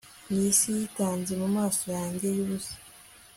mwisi yitanze mumaso yanjye yubusa